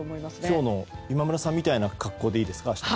今日の今村さんみたいな格好でいいですか？